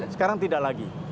sekarang tidak lagi